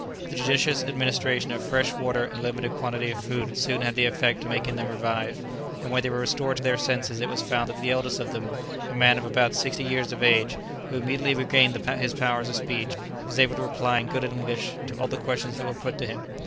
The judicious administration of fresh water and a limited quantity of food soon had the effect of making them revive; and when they were restored to their senses it was found that the eldest of them, a man of about sixty years of age, who immediately regained his powers of speech, was able to reply in good English to all the questions that were put to him.